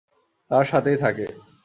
তার সাথেই থাকে।